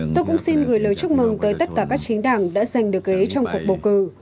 tôi cũng xin gửi lời chúc mừng tới tất cả các chính đảng đã giành được ghế trong cuộc bầu cử